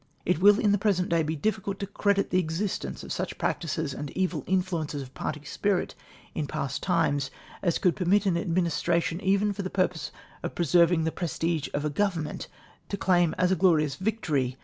It will in the jDresent day be difficidt to credit the existence of such practices and evil influences of party spirit in past times as could permit an Administration, even for the purpose of pre serving the |97'(3s%d of a Government to claim as a glorious victory